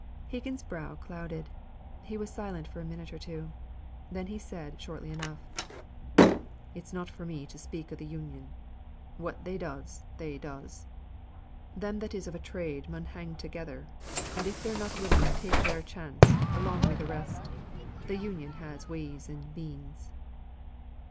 Higgins's brow clouded. He was silent for a minute or two. Then he said, shortly enough: "It's not for me to speak o' th' Union. What they does they does. Them that is of a trade mun hang together; and if they're not willing to take their chance along wi' th' rest, th' Union has ways and means."